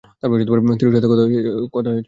থিরুর সাথে কথা হয়েছে?